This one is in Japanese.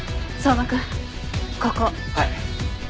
はい。